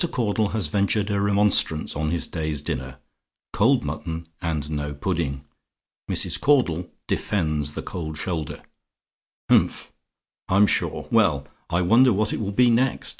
CAUDLE HAS VENTURED A REMONSTRANCE ON HIS DAY'S DINNER: COLD MUTTON, AND NO PUDDING. MRS. CAUDLE DEFENDS THE COLD SHOULDER "Umph! I'm sure! Well! I wonder what it will be next?